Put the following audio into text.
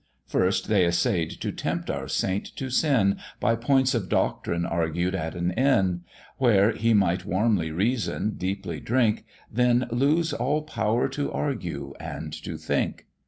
First they essay'd to tempt our saint to sin, By points of doctrine argued at an inn; Where he might warmly reason, deeply drink, Then lose all power to argue and to think.